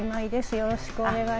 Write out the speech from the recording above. よろしくお願いします。